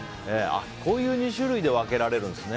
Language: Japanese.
こういう２種類で分けられるんですね。